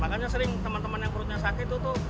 makanya sering teman teman yang perutnya sakit itu tuh